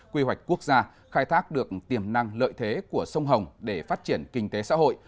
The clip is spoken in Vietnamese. quy hoạch quốc gia khai thác được tiềm năng lợi thế của sông hồng để phát triển kinh tế xã hội